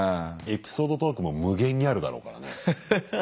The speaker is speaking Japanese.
エピソードトークも無限にあるだろうからね。